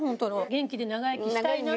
「元気で長生きしたいな」。